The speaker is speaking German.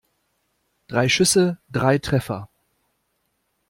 Drei Schüsse, drei Treffer.